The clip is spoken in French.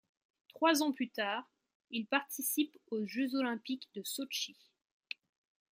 Trois ans plus tard, il participe aux Jeux olympiques de Sotchi.